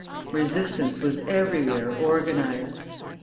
Resistance was everywhere organized.